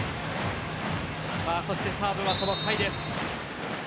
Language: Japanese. サーブはその甲斐です。